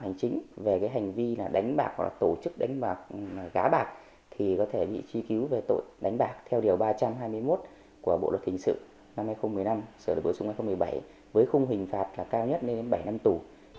hành vi đánh bạc trái phép thì có thể bị xử phạt vi phạm hành chính về hành vi đánh bạc hoặc là tổ chức đánh bạc gá bạc thì có thể bị truy cứu về tội đánh bạc theo điều ba trăm hai mươi một của bộ luật kinh sự năm hai nghìn một mươi năm sở đại bộ sống năm hai nghìn một mươi bảy với khung hình phạt cao nhất lên đến bảy năm tù